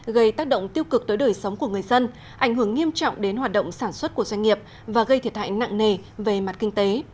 gây tác động tiêu cực tới đời sống của người dân ảnh hưởng nghiêm trọng đến hoạt động sản xuất của doanh nghiệp và gây thiệt hại nặng nề về mặt kinh tế